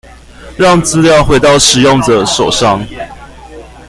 讓資料回到使用者手上